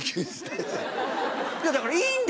いやだから。